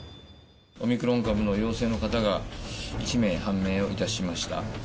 オミクロン株の陽性の方が１名判明をいたしました。